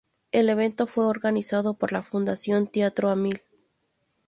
El evento fue organizado por la Fundación Teatro a Mil.